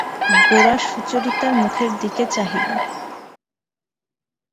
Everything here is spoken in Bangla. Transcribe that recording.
গোরা সুচরিতার মুখের দিকে চাহিল।